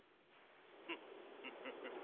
フッフフフフ。